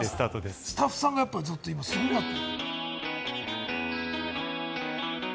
今、スタッフさんがすごかった。